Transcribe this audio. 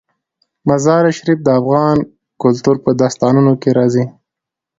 مزارشریف د افغان کلتور په داستانونو کې راځي.